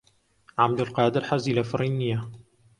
عەبدولقادر حەزی لە فڕین نییە.